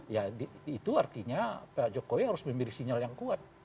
ya itu artinya pak jokowi harus memilih sinyal yang kuat